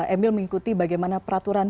emil mengikuti bagaimana peraturan